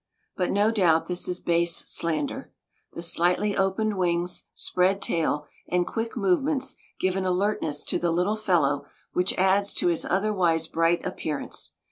But no doubt this is base slander. The slightly opened wings, spread tail, and quick movements give an alertness to the little fellow which adds to his otherwise bright appearance.